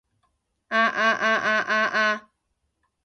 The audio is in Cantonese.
啊啊啊啊啊